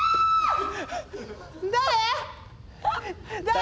誰？